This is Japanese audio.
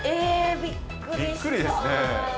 びっくりですね。